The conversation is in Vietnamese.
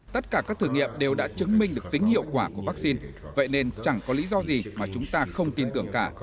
tất cả các thử nghiệm đều đã chứng minh được tính hiệu quả của vaccine vậy nên chẳng có lý do gì mà chúng ta không tin tưởng cả